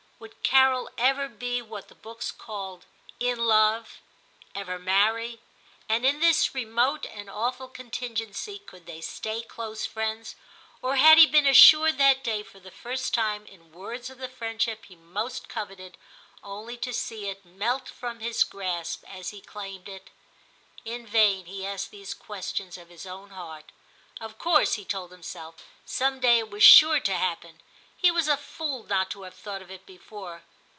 Would Carol ever be what i86 TIM CHAP. VIII the books called * in love '? ever marry ? and in this remote and awful contingency could they stay close friends, or had he been assured that day for the first time in words of the friendship he most coveted, only to see it melt from his grasp as he claimed it ? In vain he asked these questions of his own heart. Of course, he told himself, some day it was sure to happen ; he was a fool not to have thought of it before.